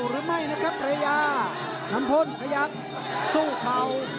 นำคนขยักสู้เข่า